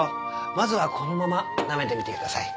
まずはこのまま舐めてみてください。